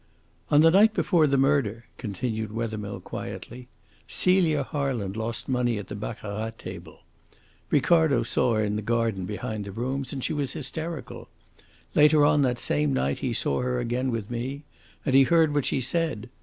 "On the night before the murder," continued Wethermill quietly, "Celia Harland lost money at the baccarat table. Ricardo saw her in the garden behind the rooms, and she was hysterical. Later on that same night he saw her again with me, and he heard what she said.